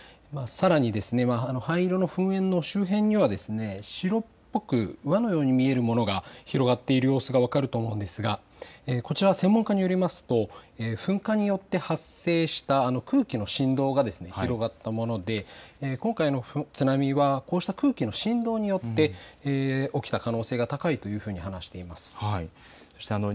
さらに灰色の噴煙の周辺には白っぽく輪のように見えるものが広がっている様子が分かると思うのですが、こちらは専門家によりますと噴火によって発生した空気の振動が広がったもので今回の津波はこうした空気の振動によって起きた可能性が高いというふうに話していました。